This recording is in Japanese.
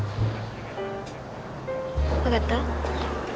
分かった？